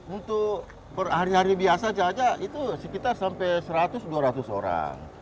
untuk per hari hari biasa saja itu sekitar sampai seratus dua ratus orang